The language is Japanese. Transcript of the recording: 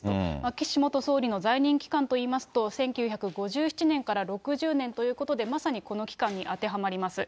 岸元総理の在任期間といいますと、１９５７年から６０年ということで、まさにこの期間に当てはまります。